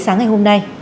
sáng ngày hôm nay